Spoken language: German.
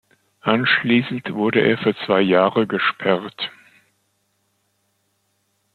Anschließend wurde er für zwei Jahre gesperrt.